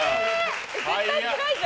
絶対つらいじゃん。